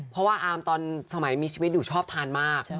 เพราะว่าอาร์มตอนสมัยมีชีวิตอยู่ชอบทานมาก